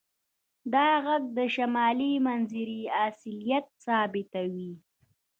دا غږ د شمالي منظرې اصلیت ثابتوي